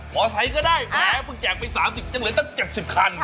อศัยก็ได้แหมเพิ่งแจกไป๓๐ยังเหลือตั้ง๗๐คัน